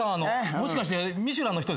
もしかして『ミシュラン』の人ですか？